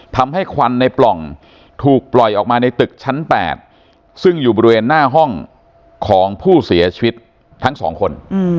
ทำให้ควันฟื้นไฟในปล่องถูกปล่อยออกมาในตึกชั้น๘ซึ่งอยู่บริเวณหน้าห้องของผู้เสียชีวิต๒คน